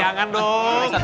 ehh jangan dong